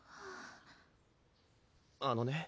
あのね